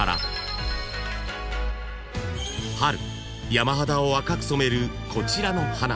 ［春山肌を赤く染めるこちらの花］